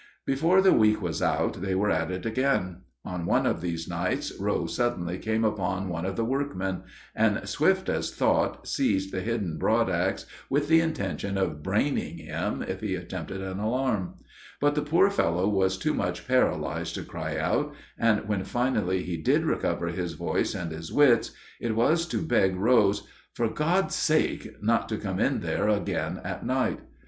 Before the week was out they were at it again. On one of these nights Rose suddenly came upon one of the workmen, and, swift as thought, seized the hidden broad ax with the intention of braining him if he attempted an alarm; but the poor fellow was too much paralyzed to cry out, and when finally he did recover his voice and his wits, it was to beg Rose, "for God's sake," not to come in there again at night.